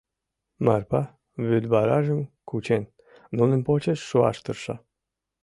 Марпа, вӱдваражым кучен, нунын почеш шуаш тырша.